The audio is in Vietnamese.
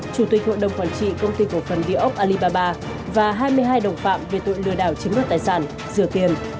chủ tịch hội đồng quản trị công ty cổ phần địa ốc alibaba và hai mươi hai đồng phạm về tội lừa đảo chiếm đoạt tài sản rửa tiền